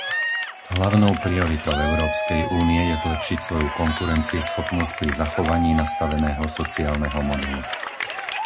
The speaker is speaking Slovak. Hlavnou prioritou Európskej únie je zlepšiť svoju konkurencieschopnosť pri zachovaní nastaveného sociálneho modelu.